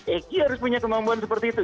eki harus punya kemampuan seperti itu